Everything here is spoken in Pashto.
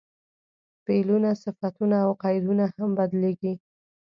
فعلونه، صفتونه او قیدونه هم بدلېږي.